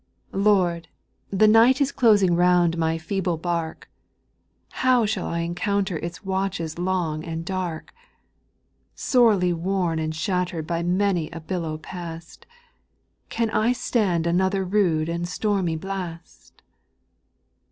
Lord I the night is closing round my feeble bark ; How shall I encounter its wat(*hes long and dark ? Sorely worn and shattered by many a billow past, Can I stand another rude and stormy blast